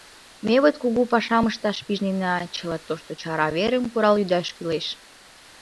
— Ме вот кугу пашам ышташ пижнена — чыла Тошто Чара верым курал-ӱдаш кӱлеш.